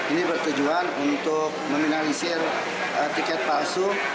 ini bertujuan untuk meminimalisir tiket palsu